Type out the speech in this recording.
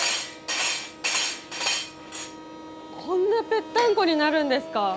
こんなぺったんこになるんですか？